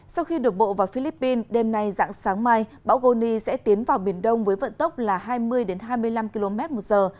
sau khi đột bộ vào philippines đêm nay dạng sáng mai bão goni sẽ tiến vào biển đông với vận tốc là hai mươi hai mươi năm km một giờ